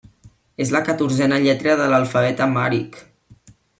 És la catorzena lletra de l'alfabet amhàric.